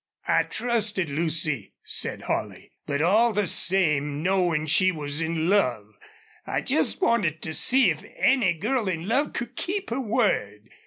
"I trusted Lucy," said Holley. "But all the same, knowin' she was in love, I jest wanted to see if any girl in love could keep her word....